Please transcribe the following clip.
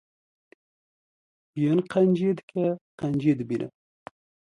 Yê qenciyê dike, qenciyê dibîne.